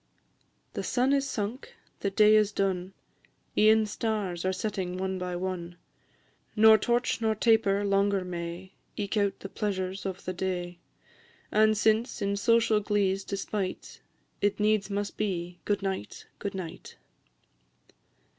The sun is sunk, the day is done, E'en stars are setting one by one; Nor torch nor taper longer may Eke out the pleasures of the day; And since, in social glee's despite, It needs must be, Good night, good night!